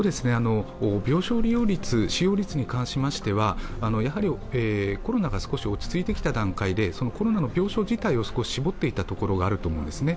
病床利用率、使用率に関しましては、コロナが少し落ち着いてきた段階で、コロナの病床自体を少し絞っていたところがあると思うんですね。